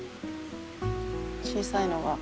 小さいのが。